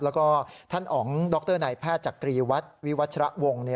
แล้วก็ท่านอ๋องดรนายแพทย์จักรีวัฒน์วิวัชระวง